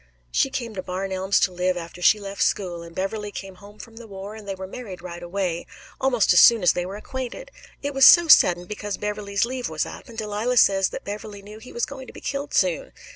She came to Barn Elms to live after she left school, and Beverley came home from the war, and they were married right away almost as soon as they were acquainted. It was so sudden because Beverley's leave was up, and Delilah says that Beverley knew he was going to be killed soon.